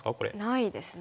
ないですね。